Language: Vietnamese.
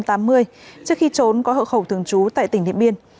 trước khi trốn có hợp khẩu thường trú tại tỉnh điện biên